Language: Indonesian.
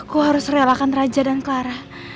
aku harus relakan raja dan clara